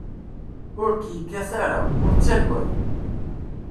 Ur k-yekkat ara, ur ttaggad.